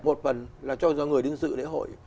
một phần là cho người đến dự lễ hội